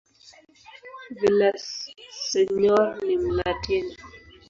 Villaseñor ni "Mlatina".